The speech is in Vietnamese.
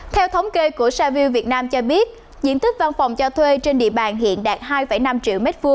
theo thống kê của saville việt nam cho biết diện tích văn phòng cho thuê trên địa bàn hiện đạt hai năm triệu m hai